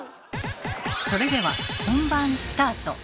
それでは本番スタート。